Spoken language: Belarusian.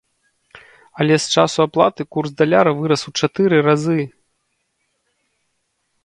Але з часу аплаты курс даляра вырас у чатыры разы!